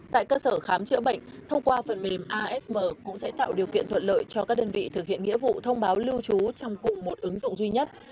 tại cơ sở khám chữa bệnh thông qua phần mềm asm cũng sẽ tạo điều kiện thuận lợi cho các đơn vị thực hiện nghĩa vụ thông báo lưu trú trong cùng một ứng dụng duy nhất